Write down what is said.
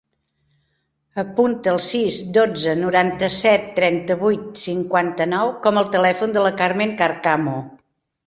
Apunta el sis, dotze, noranta-set, trenta-vuit, cinquanta-nou com a telèfon de la Carmen Carcamo.